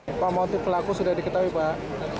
apa motif pelaku sudah diketahui pak